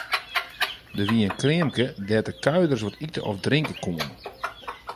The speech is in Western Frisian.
Der wie in kreamke dêr't de kuierders wat ite of drinke koene.